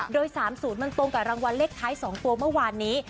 โดย๓๐มันตรงกับรางวัลเลขท้าย๒ตัวเมื่อวานนี้